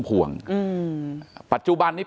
เป็นวันที่๑๕ธนวาคมแต่คุณผู้ชมค่ะกลายเป็นวันที่๑๕ธนวาคม